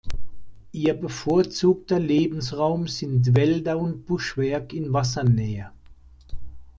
Ihr bevorzugter Lebensraum sind Wälder und Buschwerk in Wassernähe.